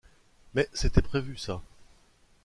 Mais c’était prévu, ça.